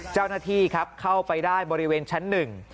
เจ้าหน้าที่ครับเข้าไปได้บริเวณชั้นหนึ่ง